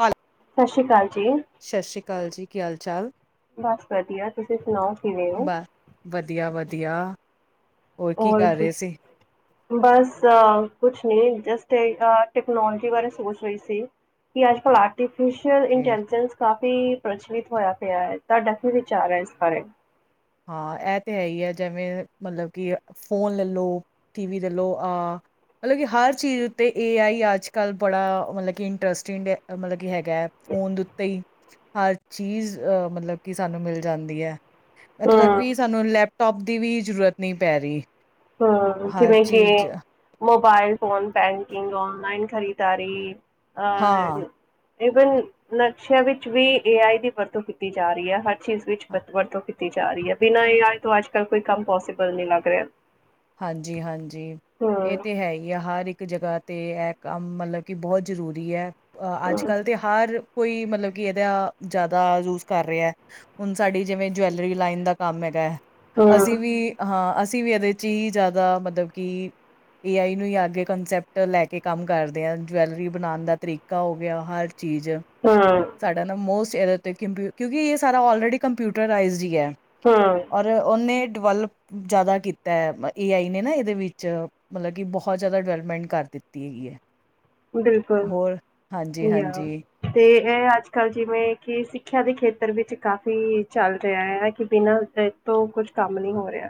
ਹ [inaudible] [unintelligible] ਸਤਿ ਸ਼੍ਰੀ ਅਕਾਲ ਜੀ ਕੀ ਹਾਲ ਚਾਲ ਬਸ ਵਧੀਆ ਤੁਸੀਂ ਸੁਣਾਓ ਕਿਵੇਂ ਹੋ ਬ ਵਧੀਆ ਵਧੀਆ ਹੋਰ ਕਰ ਕੀ ਰਹੇ ਸੀ ਬਸ ਕੁਛ ਨੀ ਜਸਟ ਟੈਕਨੋਲੋਜੀ ਬਾਰੇ ਸੋਚ ਰਹੀ ਸੀ। ਪਰ ਅੱਜ ਕੱਲ ਆ ਆਰਟੀਫ ਕੇ ਇੰਟੈਜੈਂਸ ਕਾਫੀ ਪ੍ਰਚਲਿਤ ਹੋਇਆ ਪਿਆ ਹੈ ਤੁਹਾਡਾ ਵੀ ਵਿਚਾਰ ਹੈ ਇਸ ਬਾਰੇ ਹਾਂ ਇਹ ਤਾਂ ਹੈ ਹੀ ਹੈ ਜਿਵੇਂ ਮਤਲਬ ਕਿ ਫੋਨ ਲੈ ਲਓ ਟੀਵੀ ਲੋ ਆਹ ਮਤਲਬ ਕਿ ਹਰ ਚੀਜ਼ ਉੱਤੇ ਏ ਆਈ ਅੱਜ ਕੱਲ੍ਹ ਬੜਾ ਮਤਲਬ ਕਿ ਇੰਟਰਸਟਿੰਡ ਮਤਲਬ ਕਿ ਹੈਗਾ ਫੋਨ ਦੇ ਉੱਤੇ ਹੀ ਹਰ ਚੀਜ਼ ਅਹ ਮਤਲਬ ਕਿ ਸਾਨੂੰ ਮਿਲ ਜਾਂਦੀ ਹੈ ਇਥੋਂ ਤੱਕ ਹਮ ਵੀ ਸਾਨੂੰ ਲੈਪਟੋਪ ਦੀ ਵੀ ਜ਼ਰੂਰਤ ਨਹੀਂ ਪੈ ਰਹੀ ਹਮ ਹਰ ਜਿਵੇਂ ਕਿ ਚੀਜ਼ ਮੋਬਾਈਲ ਫੋਨ ਬੈਂਕਿੰਗ ਔਨਲਾਈਨ ਖਰੀਦਦਾਰੀ ਅ ਹਾਂ ਇਵਨ ਨਕਸ਼ਿਆਂ ਵਿੱਚ ਵੀ ਏ ਆਈ ਦੀ ਵਰਤੋਂ ਕੀਤੀ ਜਾ ਰਹੀ ਹੈ ਹਰ ਚੀਜ਼ ਵਿਚ ਵਰਤੋਂ ਕੀਤੀ ਜਾ ਰਹੀ ਹੈ ਬਿਨਾਂ ਏ ਆਈ ਤੋਂ ਅੱਜ ਕੱਲ ਕੋਈ ਕੰਮ ਪੋਸੀਬਲ ਨਹੀਂ ਲੱਗ ਰਿਹਾ ਹਾਂਜੀ ਹਾਂਜੀ ਇਹ ਤਾਂ ਹੂੰ-ਹੂੰ-ਹੂੰ-ਹੂੰ, ਹੈ ਹੀ ਆ ਹਰ ਇੱਕ ਜਗ੍ਹਾ ਅਤੇ ਇਹ ਕੰਮ ਮਤਲਬ ਕਿ ਬਹੁਤ ਜ਼ਰੂਰੀ ਹੈ ਅੱਜ ਕੱਲ੍ਹ ਤਾਂ ਹਰ ਕੋਈ ਮਤਲਬ ਕਿ ਇਹਦਾ ਜ਼ਿਆਦਾ ਯੂਜ ਕਰ ਰਿਹਾ ਹੁਣ ਸਾਡੀ ਜਿਵੇਂ ਜਵੈਲਰੀ ਲਾਈਨ ਦਾ ਕੰਮ ਹੈਗਾ ਹੈ ਅਸੀਂ ਵੀ ਹਾਂ ਅਸੀਂ ਵੀ ਇਹਦੇ ਹੀ ਜ਼ਿਆਦਾ ਮਤਲਬ ਕਿ ਏ ਆਈ ਨੂੰ ਹੀ ਆਗੇ ਕੰਸੈਪਟ ਲੈ ਕੇ ਕੰਮ ਕਰਦੇ ਆ ਜਵੈਲਰੀ ਬਣਾਉਣ ਦਾ ਤਰੀਕਾ ਪਾ ਹੋ ਗਿਆ ਹਰ ਚੀਜ਼ ਹਾਂ ਸਾਡਾ ਨਾ ਮੋਸਟ ਇਹਦੇ ਉੱਤੇ ਕੰਪਿ ਕਿਉਂਕਿ ਇਹ ਸਾਰਾ ਔਲਰੇਡੀ ਕੰਪਿਊਟਰ ਰਾਈਜ਼ਡ ਹੀ ਹੈ ਹਮ ਔਰ ਉਹਨੇ ਡਿਵੈਲਪ ਜ਼ਿਆਦਾ ਕੀਤੀ ਤੇ ਏ ਆਈ ਨੇ ਨਾ ਇਹਦੇ ਵਿੱਚ ਮਤਲਬ ਕਿ ਬਹੁਤ ਜ਼ਿਆਦਾ ਡਿਵੈਲਪਮੈਂਟ ਕਰ ਦਿੱਤੀ ਹੈਗੀ ਹੈ ਬਿਲਕੁਲ ਹੋਰ ਹਾਂਜੀ ਯਾ ਹਾਂਜੀ ਤੇ ਇਹ ਅੱਜ ਕੱਲ੍ਹ ਜਿਵੇਂ ਕਿ ਸਿੱਖਿਆ ਦੇ ਖੇਤਰ ਵਿੱਚ ਕਾਫ਼ੀ ਚੱਲ ਰਿਹਾ ਹੈ ਕਿ ਬਿਨਾਂ ਤੋਂ ਕੁੱਛ ਕੰਮ ਨੀ ਹੋ ਰਿਹਾ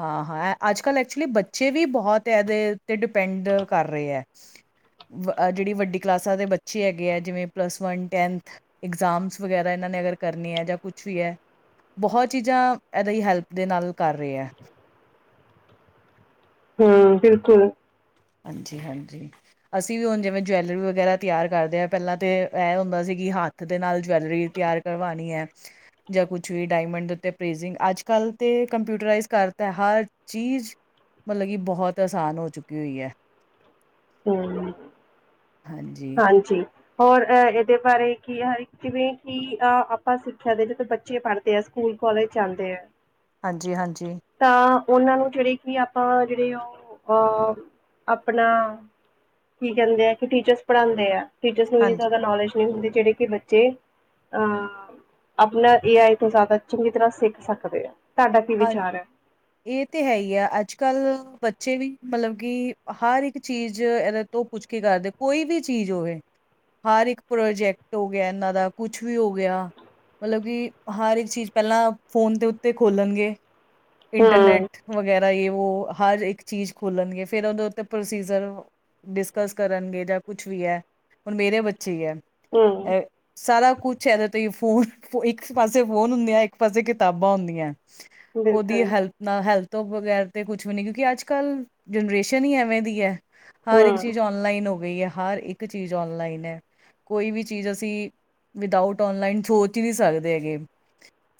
ਹਾਂ ਹਾਂ ਅੱਜ ਕੱਲ੍ਹ ਐਕਚੁਲੀ ਬੱਚੇ ਵੀ ਬਹੁਤ ਇਹਦੇ ਓਤੇ ਡਿਪੈਂਡ ਕਰ ਰਹੇ ਹੈ। ਵ ਜਿਹੜੀ ਵੱਡੀ ਕਲਾਸਾਂ ਦੇ ਬੱਚੇ ਹੈਗੇ ਹੈ ਜਿਵੇਂ ਪਲੱਸ ਵੰਨ ਟੈਂਨਥ ਇਗਜ਼ਾਮਸ ਵਗੈਰਾ ਇਹਨਾਂ ਨੇ ਅਗਰ ਕਰਨੀ ਹੈ ਜਾਂ ਕੁਛ ਵੀ ਹੈ ਬਹੁਤ ਚੀਜ਼ਾਂ ਇਹਦੀ ਹੈਲਪ ਦੇ ਨਾਲ ਕਰ ਰਹੇ ਹੈ। ਹਮ ਬਿਲਕੁਲ ਹਾਂਜੀ, ਹਾਂਜੀ ਅਸੀਂ ਵੀ ਹੁਣ ਜਿਵੇਂ ਜਵੈਲਰੀ ਵਗੈਰਾ ਤਿਆਰ ਕਰਦੇ ਹਾਂ, ਪਹਿਲਾਂ ਤੇ ਇਹ ਹੁੰਦਾ ਸੀ ਹ ਕਿਦੇ ਨਾਲ ਜਵੈਲਰੀ ਤਿਆਰ ਕਰਵਾਉਣੀ ਹੈ। ਜਾਂ ਕੁਛ ਵੀ ਡਾਇਮੰਡ ਦੇ ਉੱਤੇ ਪ੍ਰੇਜਿੰਗ ਅੱਜ ਕੱਲ੍ਹ ਤਾਂ ਕੰਪਿਊਟਰਾਈਜ਼ ਕਰਤਾ ਹਰ ਚੀਜ਼ ਮਤਲਬ ਕਿ ਬਹੁਤ ਆਸਾਨ ਹੋ ਚੁੱਕੀ ਹੋਈ ਹੈ। ਹਮ ਹਾਂਜੀ ਹਾਂਜੀ ਹੋਰ ਅਹ ਇਹਦੇ ਬਾਰੇ ਕੀ ਹ ਜਿਵੇਂ ਕਿ ਅ ਆਪਾਂ ਸਿੱਖਿਆ ਦੇ ਜਦੋਂ ਬੱਚੇ ਪੜ੍ਹ ਸਕੂਲ ਕਾਲਜ ਜਾਂਦੇ ਆ। ਹਾਂਜੀ ਹਾਂਜੀ ਤਾਂ ਉਹਨਾਂ ਨੂੰ ਜਿਹੜੇ ਕਿ ਆਪਾਂ ਜਿਹੜੇ ਉਹ ਅਹ ਆਪਣਾ ਕੀ ਕਹਿੰਦੇ ਆ ਕਿ ਟੀਚਰਸ ਪੜਾਂਦੇ ਆ ਟੀਚਰ ਨੂੰ ਐਨੀ ਹਾਂਜੀ। ਜ਼ਿਆਦਾ ਨੌਲੇਜ ਹੁੰਦੇ ਜਿਹੜੇ ਕਿ ਬੱਚੇ ਅਹ ਆਪਣਾ ਏ ਆਈ ਤੋਂ ਜ਼ਿਆਦਾ ਚੰਗੀ ਤਰ੍ਹਾਂ ਸਿੱਖ ਸਕਦੇ ਆ। ਤੁਹਾਡਾ ਕੀ ਹਾਂ ਵਿਚਾਰ ਹੈ? ਇਹ ਤਾਂ ਹੈ ਹੀ ਆ ਅੱਜ ਕੱਲ੍ਹ ਬੱਚੇ ਵੀ ਮਤਲਬ ਕਿ ਹਰ ਇੱਕ ਚੀਜ਼ ਇਹਦੇ ਤੋਂ ਉਹ ਪੁੱਛ ਕੇ ਕਰਦੇ ਕੋਈ ਵੀ ਚੀਜ਼ ਹੋਵੇ। ਹਰ ਇੱਕ ਪ੍ਰੋਜੈਕਟ ਹੋ ਗਿਆ, ਇਹਨਾਂ ਦਾ ਕੁਛ ਵੀ ਹੋ ਗਿਆ। ਮਤਲਬ ਕਿ ਹਰ ਇੱਕ ਚੀਜ਼ ਪਹਿਲਾਂ ਫੋਨ ਦੇ ਉੱਤੇ ਖੋਲਣਗੇ ਹਮ ਇੰਟਰਨੈਟ ਵਗੈਰਾ ਯੇ ਵੋ ਹਰ ਇੱਕ ਚੀਜ਼ ਖੋਲਣਗੇ ਫੇਰ ਉਹਦੇ ਉੱਤੇ ਪ੍ਰੋਸੀਜਰ ਡਿਸਕਸ ਕਰਨਗੇ ਜਾਂ ਕੁਛ ਵੀ ਹੈ, ਹੁਣ ਮੇਰੇ ਬੱਚੇ ਹੈ ਹਮ ਅ ਸਾਰਾ ਕੁਛ ਇਹਦੇ ਤੋਂ ਫੋਨ ਇੱਕ ਪਾਸੇ ਫੋਨ ਹੁੰਦੀਆਂ, ਇੱਕ ਪਾਸੇ ਕਿਤਾਬਾਂ ਹੁੰਦੀਆਂ। ਉਹਦੀ ਬਿਲਕੁਲ ਹੈਲਪ ਨਾ ਹੈਲਪ ਤੋਂ ਬਗੈਰ ਤੇ ਕੁਝ ਵੀ ਨੀ ਕਿਉਂਕਿ ਅੱਜ ਕੱਲ ਜਨਰੇਸ਼ਨ ਹੀ ਐਵੇਂ ਦੀ ਹੈ। ਹਰ ਇੱਕ ਹਮ ਚੀਜ਼ ਔਨਲਾਈਨ ਹੋ ਗਈ ਹੈ, ਹਰ ਇੱਕ ਚੀਜ਼ ਔਨਲਾਈਨ ਹੈ। ਕੋਈ ਵੀ ਚੀਜ਼ ਅਸੀਂ ਵਿਦਊਟ ਓਨ ਲਾਈਨ ਸੋਚ ਹੀ ਨਹੀਂ ਸਕਦੇ ਹੈਗੇ।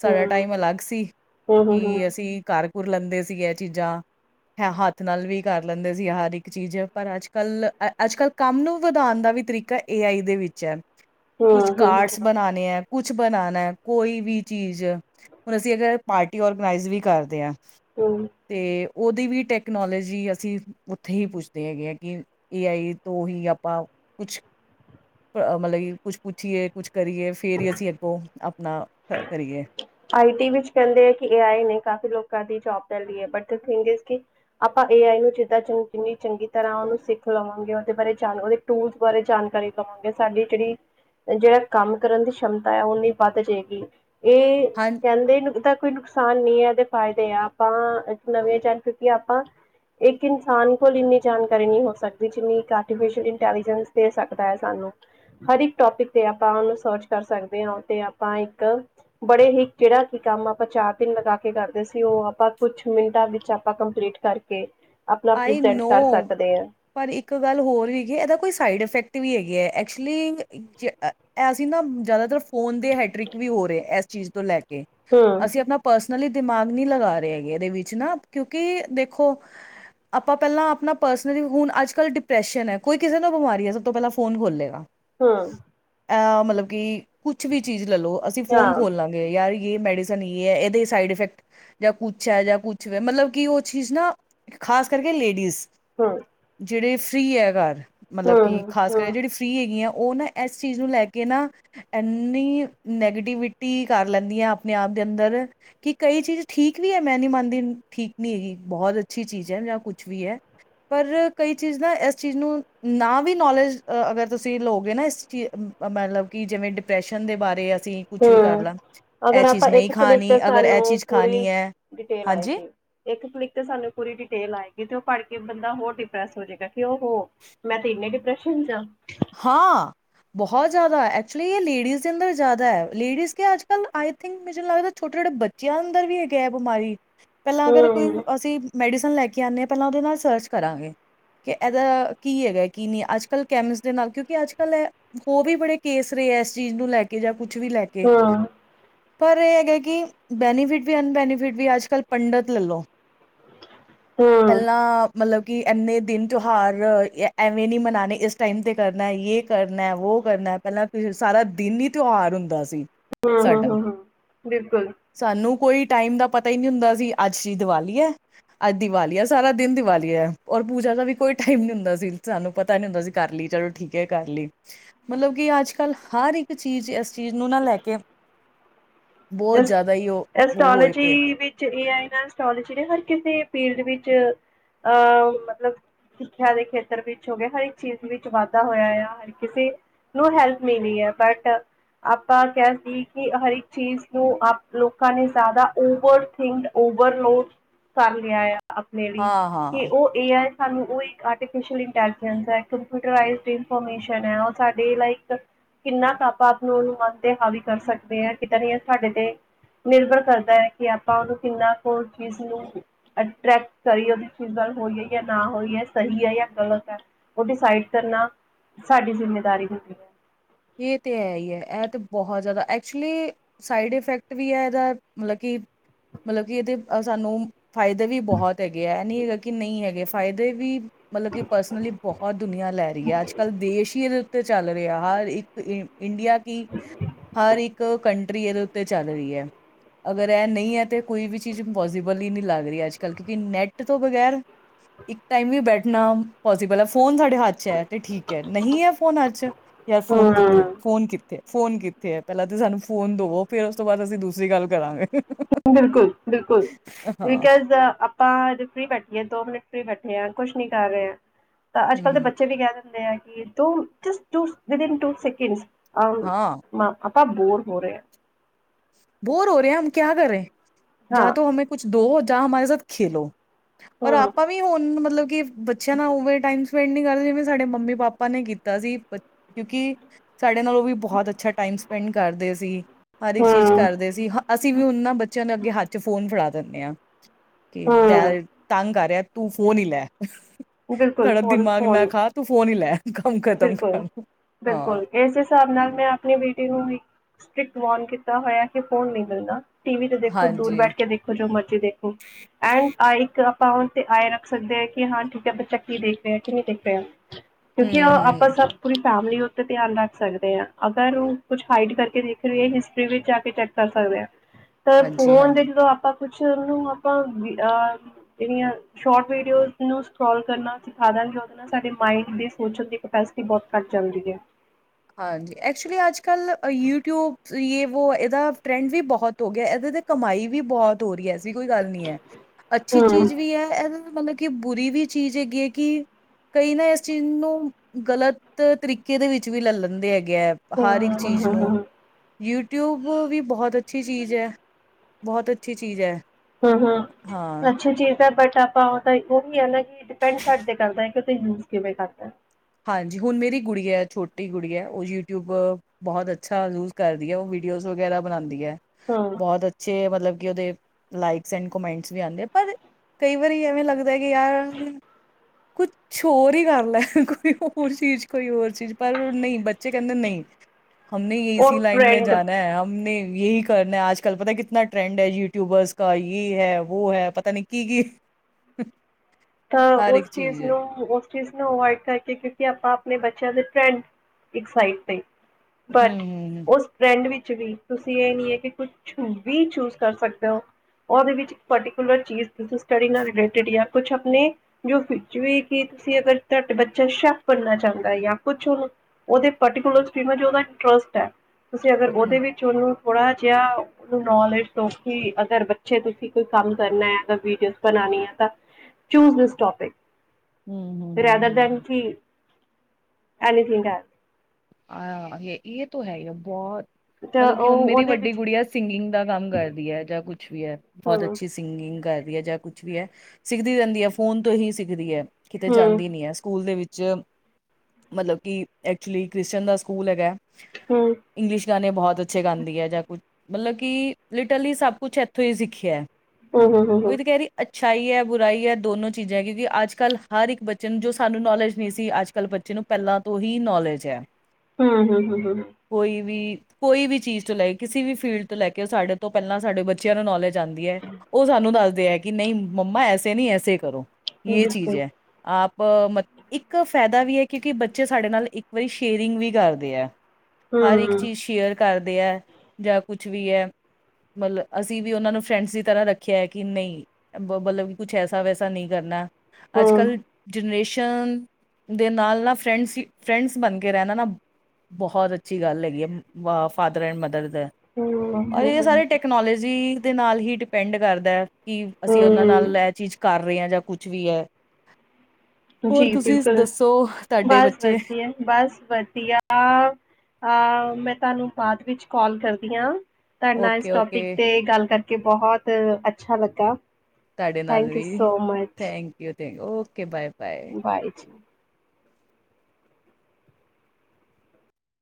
ਸਾਡਾ ਹਮ ਟਾਈਮ ਅਲੱਗ ਸੀ, ਹਮ ਹਮ ਹਮ ਕਿ ਅਸੀਂ ਕਰ ਕੁਰ ਲੈਂਦੇ ਸੀਗੇ ਇਹ ਚੀਜ਼ਾਂ ਹੈ ਹੱਥ ਨਾਲ ਵੀ ਕਰ ਲੈਂਦੇ ਸੀ, ਹਰ ਇੱਕ ਚੀਜ਼ ਪਰ ਅੱਜ ਕੱਲ ਅ ਅੱਜ ਕੱਲ੍ਹ ਕੰਮ ਨੂੰ ਵਧਾਉਣ ਦਾ ਵੀ ਤਰੀਕਾ ਏ ਆਈ ਦੇ ਵਿੱਚ ਹੈ। ਕੁਛ ਹਮ ਹਮ ਕਾਰਡਸ ਹਮ ਬਣਾਉਣੇ ਹੈ, ਕੁਛ ਬਣਾਣਾ ਕੋਈ ਵੀ ਚੀਜ਼ ਹੁਣ ਅਸੀਂ ਅਗਰ ਪਾਰਟੀ ਔਰਗਨਾਈਜ਼ ਵੀ ਕਰਦੇ ਆ। ਹਮ ਤੇ ਉਹਦੀ ਵੀ ਟੈਕਨੋਲੋਜੀ ਅਸੀਂ ਉੱਥੇ ਹੀ ਪੁੱਛਦੇ ਹੈਗੇ ਆ ਕਿ ਏ ਆਈਏ ਤੋਂ ਹੀ ਆਪਾਂ ਕੁਛ ਮਤਲਬ ਕਿ ਕੁਛ ਪੁੱਛੀਏ ਕੁਛ ਕਰੀਏ ਫੇਰ ਹੀ ਅਸੀਂ ਅੱਗੋਂ ਆਪਣਾ ਕਰੀਏ। ਆਈ ਟੀ ਵਿਚ ਕਹਿੰਦੇ ਆ ਕਿ ਏ ਆਈ ਨੇ ਕਾਫੀ ਲੋਕਾਂ ਦੀ ਜੋਬ ਲੈ ਲਈ ਹੈ, ਬਟ ਦ ਥੀਓਰਿਸ ਕੀ ਆਪਾਂ ਏ ਆਈ ਨੂੰ ਜਿੱਦਾਂ ਚ ਜਿੰਨੀ ਚੰਗੀ ਤਰ੍ਹਾਂ ਉਹਨੂੰ ਸਿੱਖ ਲਵਾਂਗੇ ਉਹਦੇ ਬਾਰੇ ਜਾਣ ਉਹਦੇ ਓਸ ਬਾਰੇ ਜਾਣਕਾਰੀ ਦੇਵਾਂਗੇ ਸਾਡੀ ਜਿਹੜੀ ਜਿਹੜਾ ਕੰਮ ਕਰਨ ਦੀ ਸ਼ਮਤਾ ਹੈ, ਉਹ ਨਹੀਂ ਵੱਧ ਜੇਗੀ ਇਹ [unintelligible] ਬਦੇ ਨੂ ਤਾਂ ਕੋਈ ਨੁਕਸਾਨ ਨੀ ਹੈ, ਏਦੇ ਫਾਇਦੇ ਆ ਆਪਾਂ ਨਵੇਂ ਚਨ ਕਿਉਂਕਿ ਕਿ ਆਪਾਂ ਇੱਕ ਇਨਸਾਨ ਕੋਲ ਇੰਨੀ ਜਾਣਕਾਰੀ ਨਹੀਂ ਹੋ ਸਕਦੀ, ਜਿੰਨੀ ਆਰਟੀਫਿ ਇੰਟੈਲੀਜੈਂਸ ਦੇ ਸਕਦਾ ਹੈ ਸਾਨੂੰ। ਹਰ ਇੱਕ ਟੋਪਿਕ ਤੇ ਆਪਾਂ ਉਹਨੂੰ ਸਰਚ ਕਰ ਸਕਦੇ ਹਾਂ, ਤੇ ਆਪਾਂ ਇੱਕ ਬੜੇ ਹੀ ਜਿਹੜਾ ਕੀ ਕੰਮ ਆਪਾਂ ਚਾਰ ਦਿਨ ਲਗਾ ਕੇ ਕਰਦੇ ਸੀ, ਉਹ ਆਪਾਂ ਕੁਛ ਮਿੰਟਾਂ ਵਿੱਚ ਆਪਾਂ ਕੰਪਲੀਟ ਕਰਕੇ ਆਪਣਾ ਆਈ ਪ੍ਰਜੈਂਕਟ ਨੋ ਕਰ ਸਕਦੇ ਆ। ਪਰ ਇੱਕ ਗੱਲ ਹੋਰ ਵੀਗੀ ਇਹਦਾ ਕੋਈ ਸਾਈਡ ਇਫੈਕਟ ਵੀ ਹੈਗੇ ਹੈ, ਐਕਚੁਲੀ ਅਸੀਂ ਨਾ ਜ਼ਿਆਦਾਤਰ ਫੋਨ ਦੇ ਹੈਟਰ੍ਰਿਕ ਵੀ ਹੋ ਰਹੇ ਇਸ ਚੀਜ਼ ਤੋਂ ਲੈ ਕੇ ਹੂੰ ਅਸੀਂ ਆਪਣਾ ਪਰਸਨਲੀ ਦਿਮਾਗ ਨਹੀ ਲਗਾ ਰਹੇ ਹੈਗੇ, ਇਹਦੇ ਵਿੱਚ ਨਾ ਕਿਉਂਕਿ ਦੇਖੋ। ਆਪਾਂ ਪਹਿਲਾਂ ਆਪਣਾ ਪਰਸਨਲ, ਹੁਣ ਅੱਜ ਕੱਲ੍ਹ ਡਿਪਰੈਸ਼ਨ ਹੈ, ਕੋਈ ਕਿਸੇ ਨੂੰ ਬਿਮਾਰੀ ਹੈ ਸਭ ਤੋਂ ਪਹਿਲਾਂ ਫੋਨ ਖੋਲੇਗਾ। [unintelligible] ਅ ਮਤਲਬ ਕਿ ਕੁਛ ਵੀ ਚੀਜ਼ ਲੈਲੋ ਅਸੀਂ ਫੋਨ ਹਾਂ ਖੋਲ ਲਾਗੇ ਯਾਰ ਇਹ ਮੈਡੀਸਨ ਯੇ ਹੈ ਇਹਦੇ ਸਾਈਡ ਇਫੈਕਟ ਜਾਂ ਕੁਛ ਹੈ ਜਾਂ ਕੁਛ ਵੀ ਮਤਲਬ ਕਿ ਉਹ ਚੀਜ਼ ਨਾ ਖ਼ਾਸ ਕਰਕੇ ਲੇਡੀਜ਼ [unintelligible] ਜਿਹੜੇ ਫਰੀ ਹੈ ਘਰ ਮਤਲਬ ਕੀ ਹੂੰ ਖਾਸ ਹੂੰ ਕਰ ਜਿਹੜੀ ਫੀ ਹੈਗੀੀਆਂ ਉਹ ਨਾ ਇਸ ਚੀਜ਼ ਨੂੰ ਲੈ ਕੇ ਨਾ ਇਨੀ ਨੈਗੇਟੀਿਵਿਟੀ ਕਰ ਲੈਂਦੀ ਆ ਆਪਣੇ ਆਪ ਦੇ ਅੰਦਰ ਕਿ ਕਈ ਚੀਜ਼ ਠੀਕ ਵੀ ਹੈ ਮੈਂ ਨੀ ਮੰਨਦੀ ਠੀਕ ਨਹੀਂੀ ਹੈਗੀ ਬਹੁਤ ਅੱਛੀ ਚੀਜ਼ ਹੈ ਜਾਂ ਕੁਛ ਵੀ ਹੈ ਪਰ ਕਈ ਚੀਜ਼ ਨਾ ਇਸ ਚੀਜ਼ ਨੂੰ ਨਾ ਵੀ ਨੌਲੇਜ ਅਗਰ ਤੁਸੀਂ ਲਓਗੇ ਨਾ ਇਸ ਚੀਜ਼ ਮਤਲਬ ਕਿ ਜਿਵੇਂ ਡਿਪਰੈਸ਼ਨ ਦੇ ਬਾਰੇ ਅਸੀਂ ਕੁਛ ਵੀ ਕਰ ਹਮ, ਲਾਂ ਅਗਰ ਇਹ ਆਪਾਂ ਚੀਜ਼ ਨਹੀਂ ਇੱਕ ਕਲਿਕ ਖਾਣੀ ਤੇ ਅਗਰ ਇਹ ਸਾਨੂੰ ਚੀਜ਼ ਪੂਰੀ ਖਾਣੀ ਹੈ ਡਿਟੇਲ ਹਾਂਜੀ ਆਏਗੀ। ਇੱਕ ਕਲਿੱਕ ਤੇ ਸਾਨੂੰ ਪੂਰੀ ਡਿਟੇਲ ਆਏਗੀ ਤੇ ਉਹ ਪੜ੍ਹ ਕੇ ਬੰਦਾ ਹੋਰ ਡਿਪਰੈਸ ਹੋ ਜਾਵੇਗਾ ਕਿਂ ਓਹੋ ਮੈਂ ਤੇ ਇੰਨੇ ਡਿਪਰੈਸ਼ਨ ਚ ਆ ਹਾਂ ਬਹੁਤ ਜ਼ਿਆਦਾ ਐਕਚੁਲੀ ਇਹ ਲੇਡੀਜ਼ ਦੇ ਅੰਦਰ ਜ਼ਿਆਦਾ ਹੈ ਲੇਡੀਜ਼ ਕਿ ਆਜ ਕੱਲ ਆਏ ਥਿੰਕ ਮੈਨੂੰ ਲੱਗਦਾ ਛੋਟੇ ਛੋਟੇ ਬੱਚਿਆਂ ਅੰਦਰ ਵੀ ਹੈਗੇ ਹੈ ਬਿਮਾਰੀ ਪਹਿਲਾਂ ਅਗਰ ਹੂੰ ਕੋਈ ਅਸੀਂ ਮੈਡੀਸਨ ਲੈ ਕੇ ਆਉਂਦੇ ਹਾਂ ਪਹਿਲਾਂ ਉਹਦੇ ਨਾਲ ਸਰਚ ਕਰਾਂਗੇ ਕਿ ਇਹਦਾ ਕੀ ਹੈਗਾ ਕੀ ਨਹੀਂ ਅੱਜ ਕੱਲ੍ਹ ਕੈਮਿਸ ਦੇ ਨਾਲ ਕਿਉਂਕਿ ਅੱਜ ਕੱਲ ਹੈ ਹੋਰ ਵੀ ਬੜੇ ਕੇਸ ਰਹੇ ਆ ਇਸ ਚੀਜ਼ ਨੂੰ ਲੈ ਕੇ ਜਾਂ ਕੁੱਛ ਵੀ ਲੈ ਕੇ ਕੇ ਹੂੰ [inaudible] ਪਰ ਇਹ ਹੈਗਾ ਕਿ ਬੈਨੀਫਿਟ ਵੀ ਅਨਬੈਨੀਫਿਟ ਵੀ ਅੱਜ ਕੱਲ੍ਹ ਪੰਡਤ ਲੈ ਲੋ ਹੂੰ ਪਹਿਲਾਂ ਮਤਲਬ ਕਿ ਇੰਨੇ ਦਿਨ ਤਿਉਹਾਰ ਐਵੇਂ ਨਹੀਂੀ ਮਨਾਉਣੇ ਇਸ ਟਾਈਮ 'ਤੇ ਕਰਨਾ ਯ ਕਰਨਾ ਵੋ ਕਰਨਾ ਪਹਿਲਾਂ ਸਾਰਾ ਦਿਨ ਹੀ ਤਿਉਹਾਰ ਹੁੰਦਾ ਸੀ ਹਮ ਸਾਡਾ ਹਮ ਹਮ ਹਮ ਬਿਲਕੁਲ ਸਾਨੂੰ ਕੋਈ ਟਾਈਮ ਦਾ ਪਤਾ ਹੀ ਨਹੀਂੀ ਹੁੰਦਾ ਸੀ ਅੱਜ ਜ ਦੀਵਾਲੀ ਹੈ ਅੱਜ ਦੀਵਾਲੀ ਆ ਸਾਰਾ ਦਿਨ ਦੀਵਾਲੀ ਹੈ ਔਰ ਪੂਜਾ ਦਾ ਵੀ ਕੋਈ ਟਾਈਮ ਨੀ ਹੁੰਦਾ ਸੀ ਸਾਨੂੰ ਪਤਾ ਨੀ ਹੁੰਦਾ ਸੀ ਕਰ ਲਈ ਚਲੋ ਠੀਕ ਹੈ ਕਰ ਲਈ ਮਤਲਬ ਕਿ ਅੱਜ ਕੱਲ ਹਰ ਇੱਕ ਚੀਜ਼ ਚੀਜ਼ ਨੂੰ ਨਾ ਲੈ ਕੇ ਬਹੁਤ ਜ਼ਿਆਦਾ ਹੀ ਉਹ ਉਹ ਹੋਏ ਪਏ ਐਸਟਾਲੋਜੀ ਵਿੱਚ ਜੀ ਨੇ ਹਰ ਕਿਸੇ ਫੀਲਡ ਵਿੱਚ ਅ ਮਤਲਬ ਸਿੱਖਿਆ ਦੇ ਖੇਤਰ ਵਿੱਚ ਹੋ ਗਿਆ ਹਰ ਇੱਕ ਚੀਜ਼ ਵਿੱਚ ਵਾਧਾ ਹੋਇਆ ਆ ਹਰ ਕਿਸੇ ਨੂੰ ਹੈਲਪ ਮਿਲੀ ਹੈ ਬਟ ਆਪਾਂ ਕਿਹਾ ਸੀ ਕਿ ਹਰ ਇੱਕ ਚੀਜ਼ ਕਿ ਆਪ ਲੋਕਾਂ ਨੇ ਜ਼ਿਆਦਾ ਓਵਰ ਥਿੰਕ ਓਵਰਲੋਡ ਕਰ ਲਿਆ ਆ ਆਪਣੇ ਲਈ ਹਾਂ ਹਾਂ ਕਿ ਉਹ ਡੇ ਲ ਕਿੰਨਾ ਕੁ ਆਪਾਂ ਆਪ ਨੂੰ ਉਹਨੂੰਮਨ ਤੇ ਹਾਵੀ ਕਰ ਸਕਦੇ ਹਾਂ ਕਿਦਾਂ ਨਹੀਂ ਹੈ ਸਾਡੇ ਤੇ ਨਿਰਭਰ ਕਰਦਾ ਹੈ ਕਿ ਆਪਾਂ ਉਹਨੂੰ ਕਿੰਨਾ ਕੁ ਚੀਜ਼ ਨੂੰ ਅਟਰ੍ਰੈਕਟ ਕਰੀਏ ਉਹਦੀ ਚੀਜ਼ ਨਾਲ ਹੋਈ ਹੈ ਜਾਂ ਨਾ ਹੋਈਏ ਸਹੀ ਹੈ ਜਾਂ ਗਲਤ ਹੈ ਉਹ ਡਿਸਾਈਡ ਕਰਨਾ ਸਾਡੀ ਜਿੰਮੇਦਾਰੀ ਇਹ ਤੇ ਹੈ ਹੀ ਹੈ ਇਹ ਤੇ ਬਹੁਤ ਜ਼ਿਆਦਾ ਐਕਚੁਲੀ ਸਾਈਡ ਇਫੈਕਟ ਵੀ ਹੈ ਇਹਦਾ ਮਤਲਬ ਕਿ ਮਤਲਬ ਕਿ ਇਹਦੇ ਸਾਨੂੰ ਫਾਇਦੇ ਵੀ ਬਹੁਤ ਹੈਗੇ ਆ ਇਹ ਨਹੀਂ ਹੈਗਾ ਕਿ ਨਹੀਂ ਹੈਗੇ ਫਾਇਦੇ ਵੀ ਮਤਲਬ ਕਿ ਪਰਸਨਲੀ ਬਹੁਤ ਦੁਨੀਆਂ ਲੈ ਰਹੀ ਹੈ ਅੱਜ ਕੱਲ੍ਹ ਦੇਸ਼ ਹੀ ਇਹਦੇ ਉੱਤੇ ਚੱਲ ਰਿਹਾ ਹਰ ਇੱਕ ਇ ਇੰਡੀਆ ਕੀ ਹਰ ਇੱਕ ਕੰਟਰੀ ਇਹਦੇ ਉੱਤੇ ਚੱਲ ਰਹੀ ਹੈ ਅਗਰ ਇਹ ਨਹੀਂ ਹੈ ਤੇ ਕੋਈ ਵੀ ਚੀਜ਼ ਇਪੋਸੀਬਲ ਹੀ ਨਹੀਂ ਲੱਗ ਰਹੀ ਅੱਜ ਕੱਲ੍ਹ ਕਿਉਂਕਿ ਨੈੱਟ ਤੋਂ ਬਗੈਰ ਇੱਕ ਟਾਈਮ ਵੀ ਬੈਠਣਾ ਪੋਸੀਬਲ ਹੈ ਫੋਨ ਸਾਡੇ ਹੱਥ 'ਚ ਹੈ ਅਤੇ ਠੀਕ ਹੈ ਨਹੀਂ ਹੈ ਫੋਨ ਹੱਥ 'ਚ ਯਾਰ ਫੋਨ ਕਿਤੇ ਹੂੰ ਫੋਨ ਕਿੱਥੇ ਫੋਨ ਕਿੱਥੇ ਹੈ ਪਹਿਲਾਂ ਤਾਂ ਸਾਨੂੰ ਫੋਨ ਦਵੋ ਫੇਿਰ ਉਸ ਤੋਂ ਬਾਅਦ ਅਸੀਂ ਦੂਸਰੀ ਗੱਲ ਕਰਾਂਗੇ ਬਿਲਕੁਲ-ਬਿਲਕੁਲ ਬਿਕਜ਼, ਤਾਂ ਅੱਜ ਫਰੀ ਬੈਠੀ ਆ ਦੋ ਮਿੰਟ ਫਰੀ ਬੈਠੇ ਆ ਕੁਛ ਨੀ ਕਰ ਰਹੇ। ਅੱਜ ਕੱਲ ਦੇ ਬੱਚੇ ਵੀ ਕਹਿ ਦਿੰਦੇ ਆ ਕਿ ਵਿਦਇਨ ਟੂ ਸੈਕੰਡ ਅਹ ਮ ਪਾਪਾ ਬੋਰ ਹੋ ਰਹੇ ਆ ਬੋਰ ਹੋ ਰਹੇ ਹਮ ਕਿਆ ਕਰ ਰੇ ਹਾਂ ਜਾਂ ਤ ਹਮੇ ਕੁਛ ਦੋ ਜਾਂ ਹਮਾਰੇ ਸਾਥ ਖੇਲੋ ਔਰ ਹਾਂ ਆਪਾਂ ਵੀ ਹੁਣ ਮਤਲਬ ਕਿ ਬੱਚਿਆਂ ਨਾਲ ਓਵੇਰ ਟਾਈਮ ਪਿੰਡ ਦੀ ਗੱਲ ਜਿਵੇਂ ਸਾਡੇ ਮੰਮੀ ਪਾਪਾ ਨੇ ਕੀਤਾ ਸੀ ਕਿਉਂਕਿ ਸਾਡੇ ਨਾਲ ਉਹ ਵੀ ਬਹੁਤ ਅੱਛਾ ਟਾਈਮ ਸਪੈਂਡ ਕਰਦੇ ਸੀ ਹਰ ਇੱਕ ਚੀਜ਼ ਹੂੰ ਕਰਦੇ ਸੀ ਅਸੀਂ ਵੀ ਉਹਨਾਂ ਬੱਚਿਆਂ ਨੂੰ ਅੱਗੇ ਹੱਥ ਚ ਫੋਨ ਫੜਾ ਦਿੰਦੇ ਹਾਂ ਕਿ ਹੂੰ ਦੈ ਤੰਗ ਆ ਰਿਹਾ ਤੂੰ ਫੋਨ ਨ ਲੈ ਤੁ ਹੂੰ ਬਿਲਕੁਲ ਸਾਡਾ ਫੋਨ ਦਿਮਾਗ ਨਾ ਫੋਨ ਖਾ ਤੂੰ ਫੋਨ ਹੀ ਲੈ ਕੰਮ ਖਤਮ ਬਿਲਕੁਲ ਕਰ ਹਾਂ। ਬਿਲਕੁਲ ਇਸ ਹਿਸਾਬ ਨਾਲ ਮੈਂ ਆਪਣੇ ਬੇਟੀ ਨੂੰ ਸਟ੍ਰਿਕਟ ਵਾਰਨ ਕੀਤਾ ਹੋਇਆ ਕਿ ਫੋਨ ਨੀ ਮਿਲ਼ਦਾ। ਟੀ ਵੀ ਤੇ ਦੇਖੋ ਦੂਰ ਹਾਂਜੀ ਬੈਠ ਕੇ ਦੇਖੋ ਜੋ ਮਰਜ਼ੀ ਦੇਖੋ। ਐਂਡ ਆ ਇੱਕ ਆਪਾਂ ਤੇ ਆਏ ਰੱਖ ਸਕਦੇ ਆ ਕਿ ਹਾਂ ਠੀਕ ਆ ਬੱਚਾ ਕੀ ਦੇਖ ਰਿਹਾ ਕਿ ਨਹੀਂ ਦੇਖ ਰਿਹਾ। ਹੂੰ ਕਿ ਓ ਆਪਾਂ ਹੂੰ ਸਭ ਪੂਰੀ ਫੈਮਿਲੀ ਉੱਤੇ ਧਿਆਨ ਰੱਖ ਸਕਦੇ ਆ ਅਗਰ ਉਹ ਕੁਛ ਹਾਈਡ ਕਰਕੇ ਦੇਖ ਰਹੇ, ਹਿਸਟਰੀ ਵਿੱਚ ਜਾ ਕੇ ਚੈੱਕ ਕਰ ਸਕਦੇ ਆ। [unintelligible] ਤੇ ਫੋਨ ਦੇ ਹਾਂਜੀ ਜਦੋਂ ਆਪਾਂ ਕੁਛ ਉਹਨੂੰ ਆਪਾਂ ਅ ਜਿਹੜੀਆਂ ਸ਼ੋਰਟ ਵੀਡੀਓਜ਼ ਨੂੰ ਸਕਰੋਲ ਕਰਨਾ ਸਿਖਾ ਦਾਂਗੇ ਉਹਦੇ ਨਾਲ ਸਾਡੇ ਮਾਇੰਡ ਦੇ ਸੋਚਣ ਦੀ ਕਪੈਸਿਟੀ ਬਹੁਤ ਘੱਟ ਜਾਂਦੀ ਐ। ਹਾਂਜੀ, ਐਕਚੁਲੀ ਅੱਜ ਕੱਲ੍ਹ ਯੂਟੂਬ ਜੇ ਵੋ ਇਹਦਾ ਟਰੈਂਡ ਵੀ ਬਹੁਤ ਹੋ ਗਿਆ ਇਹਦੇ ਤੇ ਕਮਾਈ ਵੀ ਬਹੁਤ ਹੋ ਰਹੀ ਐ ਐਸੀ ਕੋਈ ਗੱਲ ਨਹੀਂ ਐ ਅੱਛੀ ਹਮ ਚੀਜ਼ ਵੀ ਐ ਇਹਦੇ ਮਤਲਬ ਕਿ ਬੁਰੀ ਵੀ ਚੀਜ਼ ਹੈਗੀ ਆ ਕੀ, ਕਈ ਨਾ ਇਸ ਚੀਜ਼ ਨੂੰ ਗਲਤ ਤਰੀਕੇ ਦੇ ਵਿੱਚ ਵੀ ਲੈ ਲੈਂਦੇ ਹੈਗੇ ਆ ਹਰ ਇੱਕ ਹਮ ਚੀਜ਼ ਨੂੰ। ਹਮ ਯੂਟਿਊਬ ਵੀ ਬਹੁਤ ਅੱਛੀ ਚੀਜ਼ ਆ ਬਹੁਤ ਅੱਛੀ ਚੀਜ਼ ਆ। ਹੂੰ ਹੂੰ, ਅੱਛਾ ਚੀਜ਼ ਆ ਬਟ ਆਪਾ ਤਾਂ ਉਹੀ ਆ ਨਾ ਕਿ ਡਿਪੈਂਡ ਸਾਡੇ ਤੇ ਕਰਦਾ ਕਿ ਉਹਦਾ ਯੂਜ ਕਿਵੇਂ ਕਰਨਾ। ਹਾਂਜੀ, ਹੁਣ ਮੇਰੀ ਗੂੜੀਆ ਐ ਛੋਟੀ ਗੂੜੀਆ ਉਹ ਯੂਟਿਊਬ ਬਹੁਤ ਅੱਛਾ ਯੂਜ ਕਰਦੀ ਆ ਉਹ ਵੀਡੀਓਜ਼ ਵਗੈਰਾ ਬਣਾਂਦੀ ਐ ਹਮ ਬਹੁਤ ਅ ਏ ਆ ਮਤਲਬ ਕਿ ਉਹਦੇ ਲਾਈਕਸ ਐਡ ਕਮੈਂਟਸ ਵੀ ਆਂਦੇ ਪਰ ਕਈ ਵਾਰੀ ਐਵੇਂ ਲੱਗਦਾ ਕਿ ਯਾਰ ਕੁਛ ਹੋਰ ਹੀ ਕਰ ਲੈ। ਹੋਰ ਚੀਜ਼ ਕੋਈ ਹੋਰ ਚੀਜ਼ ਪਰ ਨਹੀਂ ਬੱਚੇ ਕਹਿੰਦੇ ਨਹੀਂ। ਹਮ, ਨੇ ਇਸੀ ਉਹ ਲਾਈਨ ਮੈਂ ਟਰੈਂਡ ਜਾਣਾ ਹੈ ਹਮ ਨੇ ਇਹੀ ਕਰਨਾ ਆਜ ਕੱਲ ਪਤਾ ਕਿਤਨਾ ਟ੍ਰੈਂਡ ਐ ਯੂਟਿਊਬਰਸ ਕਾ ਜੇ ਹੈ ਵੋ ਹੈ ਪਤਾ ਨੀ ਕੀ ਕੀ। [unintelligible] ਤਾਂ ਉਸ ਚੀਜ਼ ਨੂੰ ਉਸ ਚੀਜ਼ ਨੂੰ ਅਵਇਡ ਕਰਕੇ ਕਿਉਂਕਿ ਆਪਾਂ ਆਪਣੇ ਬੱਚਿਆਂ ਦੇ [unintelligible] ਬਟ ਉਸ ਟਰੈਂਡ ਵਿੱਚ ਵੀ ਤੁਸੀਂ ਇਹ ਨੀ ਹੈ ਕਿ ਕੁਛ ਵੀ ਚੂਜ ਕਰ ਸਕਦੇ ਹੋ। ਉਹਦੇ ਵਿੱਚ ਪਰਟੀਕੁਲਰ ਚੀਜ਼ ਸਟੱਡੀ ਨਾਲ ਰਿਲੇਟਿਡ ਜਾਂ ਕੁਛ ਨੇ ਜੋ [unintelligible] ਵੀ ਕਿ ਤੁਸੀਂ ਅਗਰ ਤੁਹਾਡੇ ਬੱਚਾ [unintelligible] ਕਰਨਾ ਚਾਦਾ ਜਾਂ ਕੁਛ ਉਹਨੂੰ ਉਹਦੇ ਪਟੀਕਲਟਮਦਾ ਇੰਟਰਸਟ ਐ ਤੁਸੀਂ ਅਗਰ ਉਹਦੇ ਵਿੱਚ ਉਹਨੂੰ ਥੋੜਾ ਜਿਹਾ ਨੌਲੇਜ ਕਿਉਂਕਿ ਅਗਰ ਬੱਚੇ ਤੁਸੀਂ ਕੋਈ ਕੰਮ ਕਰਨਾ ਵੀਡੀਓ ਬਣਾਣੀ ਆ ਤਾਂ। Choose this topic rather than ਕਿ ਐਨੀਥਿੰਗ ਹਾਂ, ਇਹ ਜੇ ਤੋਂ ਹੈ ਹੀ ਆ ਬਹੁਤ ਤਾਂ ਮਤਲਬ ਕਿ ਹੁਣ ਉਹ ਮੇਰੀ ਉਹਦੇ ਵੱਡੀ ਵਿੱਚ ਕੁੁੜੀਆ ਸਿੰਗਿੰਗ ਦਾ ਕੰਮ ਕਰਦੀ ਐ ਜਾਂ ਕੁੱਛ ਵੀ ਐ ਬਹੁਤ ਹਮ ਅੱਛੀ ਸਿੰਗਿੰਗ ਕਰਦੀ ਐ ਜਾਂ ਕੁਛ ਵੀ ਐ ਸਿੱਖਦੀ ਰਹਿੰਦੀ ਐ ਫੋਨ ਤੋਂ ਹੀ ਸਿੱਖਦੀ ਐ। ਕਿਤੇ ਹਮ ਜਾਂਦੀ ਨੀ ਐ ਸਕੂਲ ਦੇ ਵਿੱਚ ਮਤਲਬ ਕਿ ਐਕਚੁਲੀ ਕ੍ਰਿਸਚਨ ਦਾ ਸਕੂਲ ਹੈਗਾ। ਹੂੰ। ਇੰਗਲਿਸ਼ ਗਾਣੇ ਬਹੁਤ ਅੱਛੇ ਗਾਉਂਦੀ ਹੈ ਜਾਂ ਕੁਝ ਮਤਲਬ ਕਿ ਲਿਟਰਲੀ ਸਭ ਕੁਛ ਇੱਥੋਂ ਹੀ ਸਿੱਖਿਆ। ਹੂੰ, ਹੂੰ, ਹੂੰ, ਹੂੰ, ਓਹੀ ਤਾਂ ਕਹਿ ਰੀ। ਅੱਛਾਈ ਐ ਬੁਰਾਈ ਐ ਦੋਨੋ ਚੀਜ਼ਾਂ ਕਿਉਂਕਿ ਅੱਜ ਕੱਲ੍ਹ ਹਰ ਇੱਕ ਬੱਚੇ ਨੂੰ ਜੋ ਸਾਨੂੰ ਨੌਲੇਜ ਨਹੀਂ ਸੀ ਅੱਜ ਕੱਲ੍ਹ ਬੱਚੇ ਨੂੰ ਪਹਿਲਾਂ ਤੋਂ ਹੀ ਨੌਲੇਜ ਐ। ਹੂੰ-ਹੂੰ, ਹੂੰ-ਹੂੰ, ਕੋਈ ਵੀ ਕੋਈ ਵੀ ਚੀਜ਼ ਤੋਂ ਲੈ ਕੇ ਕਿਸੇ ਵੀ ਫੀਲਡ ਤੋਂ ਲੈ ਕੇ ਸਾਡੇ ਤੋਂ ਪਹਿਲਾਂ ਸਾਡੇ ਬੱਚਿਆਂ ਨੂੰ ਨੌਲੇਜ ਜਾਂਦੀ ਐ ਉਹ ਸਾਨੂੰ ਦੱਸਦੇ ਐ ਕਿ ਨਹੀਂ ਮੰਮਾ ਐਸੇ ਨਹੀਂ ਐਸੇ ਕਰੋ ਇਹ ਚੀਜ਼ ਬਿਲਕੁਲ। ਐ। ਆਪ ਮ ਇੱਕ ਫਾਇਦਾ ਵੀ ਐ ਕਿਉਂਕਿ ਬੱਚੇ ਸਾਡੇ ਨਾਲ ਇੱਕ ਵਾਰੀ ਸ਼ੇਅਰਿੰਗ ਵੀ ਕਰਦੇ ਐ। ਹਰ ਹੂੰ, ਇੱਕ ਚੀਜ਼ ਸ਼ੇਅਰ ਕਰਦੇ ਆ ਜਾਂ ਕੁਛ ਵੀ ਐ। ਮਤਲਬ ਅਸੀਂ ਵੀ ਉਹਨਾਂ ਨੂੰ ਫਰੈਂਡਸ ਦੀ ਤਰ੍ਹਾਂ ਰੱਖਿਆ ਐ ਕਿ ਨਹੀਂ। ਬ ਮਤਲਬ ਕਿ ਕੁਛ ਐਸਾ ਵੈਸਾ ਨਹੀਂ ਕਰਨਾ। ਹੂੰ, ਅੱਜ-ਕੱਲ੍ਹ ਜਨਰੇਸ਼ਨ ਦੇ ਨਾਲ ਨਾ ਫਰੈਂਡਸ, ਫਰੈਂਡਸ ਬਣ ਅੱਗੇ ਰਹਿਣਾ ਨਾ ਬਹੁਤ ਅੱਛੀ ਗੱਲ ਹੈਗੀ ਆ ਫਾਦਰ ਐਂਡ ਮਦਰ ਦੇ। ਹੂੰ, ਔਰ ਇਹ ਹੂੰ, ਸਾਰੇ ਟੈਕਨੋਲੋਜੀ ਦੇ ਨਾਲ ਹੀ ਡਿਪੈਂਡ ਕਰਦਾ ਏ ਕਿ ਅਸੀਂ ਉਹਨਾਂ ਨਾਲ ਇਹ ਹੂੰ, ਚੀਜ਼ ਕਰ ਰਹੇ ਆ ਜਾਂ ਕੁਛ ਵੀ ਐ। ਹੋਰ ਜੀ ਤੁਸੀਂ ਬਿਲਕੁਲ। ਦੱਸੋ ਤੁਹਾਡੇ ਬਸ ਬੱਚੇ। ਵਧੀਆ, ਬਸ ਵਧੀਆ। ਅਹ ਮੈਂ ਤੁਹਾਨੂੰ ਬਾਅਦ ਵਿੱਚ ਕਾਲ ਕਰਦੀ ਆ। ਤਾਡੇ ਨਾਲ ਇਸ ਓਕੇ ਟੋਪਿਕ ਓਕੇ ਤੇ ਗੱਲ ਕਰਕੇ ਬਹੁਤ ਅੱਛਾ ਲੱਗਾ। ਤਾਡੇ ਨਾਲ ਥੈਂਕ ਯੂ ਵੀ ਸੋ ਮਚ, ਥੈਂਕ ਯੂ ਤੇ ਓਕੇ ਬਾਏ-ਬਾਏ। ਬਾਏ ਜੀ।